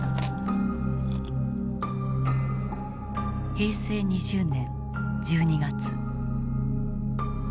平成２０年１２月。